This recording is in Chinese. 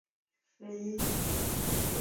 洛克在美国独立时期的影响力存在争议。